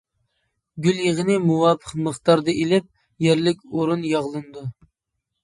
گۈل يېغىنى مۇۋاپىق مىقدارىدا ئىلىپ، يەرلىك ئورۇن ياغلىنىدۇ.